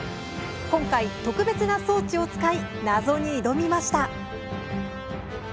今回、特別な装置を使い謎に挑みました。